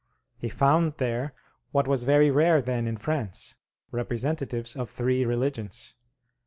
He found there what was very rare then in France, representatives of three religions.